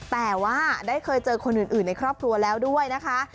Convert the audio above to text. แต่ว่าได้เคยเจอคนอื่นในครอบครัวแล้วด้วยนะคะ